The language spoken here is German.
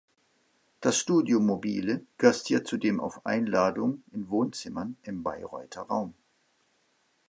Das „studio mobile“ gastiert zudem auf Einladung in Wohnzimmern im Bayreuther Raum.